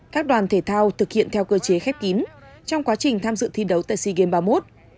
các đoàn thể thao thực hiện theo cơ chế khép kín trong quá trình tham dự thi đấu tại sea games ba mươi một